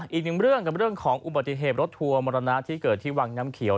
อีกหนึ่งเรื่องกับเรื่องของอุบัติเหตุรถทัวร์มรณะที่เกิดที่วังน้ำเขียว